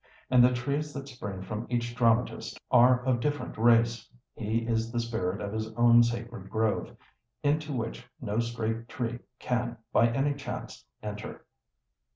And the trees that spring from each dramatist are of different race; he is the spirit of his own sacred grove, into which no stray tree can by any chance enter.